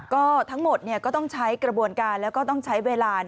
ก็ทั้งหมดก็ต้องใช้กระบวนการแล้วก็ต้องใช้เวลา